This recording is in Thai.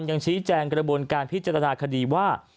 ยังชี้แจงกระบวนการพิจารณาคดีว่า